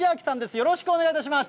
よろしくお願いします。